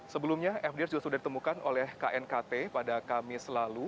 sebelumnya fdr juga sudah ditemukan oleh knkt pada kamis lalu